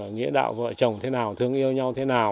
nghĩa đạo vợ chồng thế nào thương yêu nhau thế nào